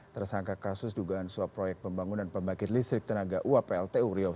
tersangka kasus dugaan swap proyek pembangunan pembangkit listrik tenaga uaplt uriau i